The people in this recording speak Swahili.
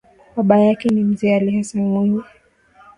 Baba yake ni Mzee Ali Hassan Mwinyi